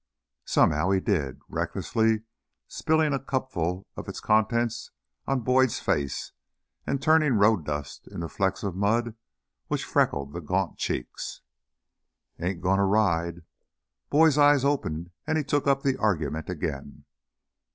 Somehow he did, recklessly spilling a cupful of its contents on Boyd's face, and turning road dust into flecks of mud which freckled the gaunt cheeks. "Ain't goin' t' ride " Boyd's eyes opened and he took up the argument again.